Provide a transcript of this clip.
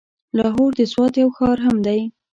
لاهور د سوات يو ښار هم دی.